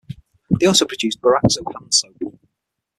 They also produced Boraxo hand soap.